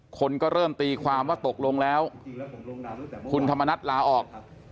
คนก็เริ่มตีความว่าตกลงแล้วคุณธรรมนัฐลาออก